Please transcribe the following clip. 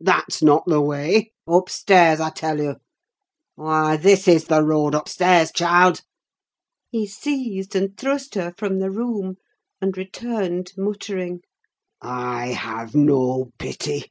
That's not the way: upstairs, I tell you! Why, this is the road upstairs, child!" He seized, and thrust her from the room; and returned muttering—"I have no pity!